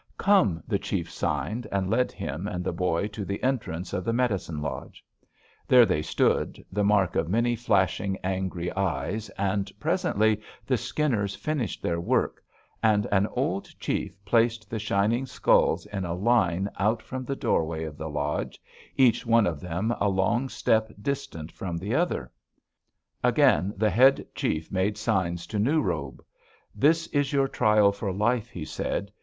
"'Come!' the chief signed, and led him and the boy to the entrance of the medicine lodge. There they stood, the mark of many flashing, angry eyes, and presently the skinners finished their work, and an old chief placed the shining skulls in a line out from the doorway of the lodge, each one of them a long step distant from another. "Again the head chief made signs to New Robe: 'There is your trial for life,' he said.